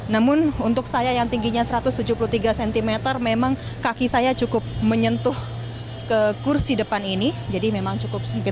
namun untuk saya yang tingginya satu ratus tujuh puluh tiga cm memang kaki saya cukup menyentuh ke kursi depan ini jadi memang cukup sempit